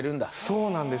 そうなんです。